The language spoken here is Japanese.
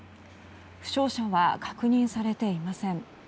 負傷者は確認されていません。